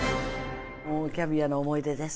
キャビアの思い出です。